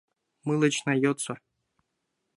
Мылечна йодса...